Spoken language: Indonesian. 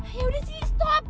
ya udah sih stop